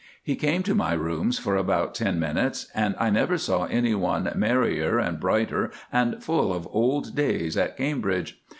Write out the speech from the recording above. He came to my rooms for about ten minutes, and I never saw any one merrier and brighter and full of old days at Cambridge.